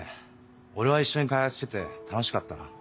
俺は一緒に開発してて楽しかったな。